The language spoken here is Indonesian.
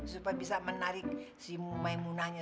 supaya bisa menarik si maimunanya